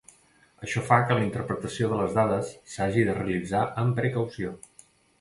Això fa que la interpretació de les dades s'hagi de realitzar amb precaució.